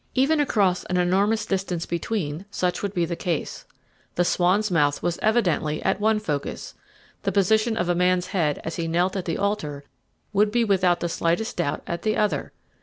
Even across an enormous distance between such would be the case. The swan's mouth was evidently at one focus; the position of a man's head as he knelt at the altar would be without the slightest doubt at the other.